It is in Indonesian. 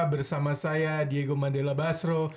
bersama saya diego mandela basro